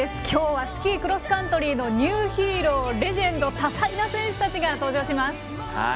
今日はスキー・クロスカントリーのニューヒーローレジェンド、多彩な選手たちが登場します。